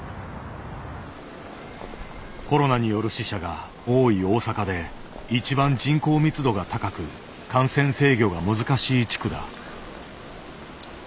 コロナによる死者が多い大阪で一番人口密度が高く感染制御が難しい地区だ。